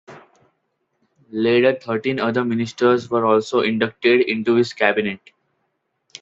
Later thirteen other ministers were also inducted into his cabinet.